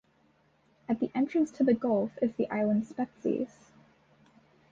At the entrance to the gulf is the island Spetses.